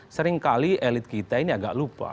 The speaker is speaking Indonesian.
seringkali elit kita ini agak lupa